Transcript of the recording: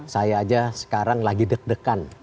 saya aja sekarang lagi deg degan